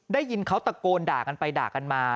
ได้ยินเขาตะโกนด่ากันไปด่ากันมา